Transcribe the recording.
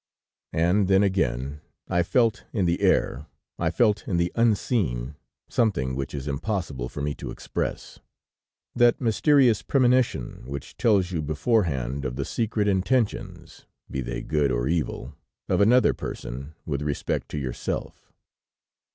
"And then, again, I felt in the air, I felt in the unseen, something which is impossible for me to express, that mysterious premonition which tells you beforehand of the secret intentions, be they good or evil, of another person with respect to yourself.